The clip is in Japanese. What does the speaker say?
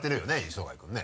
磯貝君ね。